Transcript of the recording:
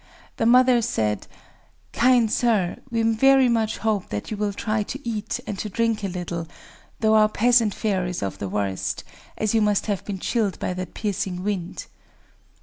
The mother said: "Kind Sir, we very much hope that you will try to eat and to drink a little,—though our peasant fare is of the worst,—as you must have been chilled by that piercing wind."